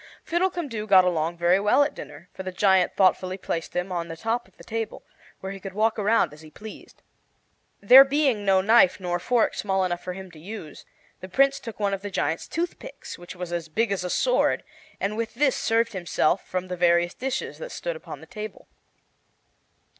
Fiddlecumdoo got along very well at dinner, for the giant thoughtfully placed him on the top of the table, where he could walk around as he pleased. There being no knife nor fork small enough for him to use, the Prince took one of the giant's toothpicks, which was as big as a sword, and with this served himself from the various dishes that stood on the table.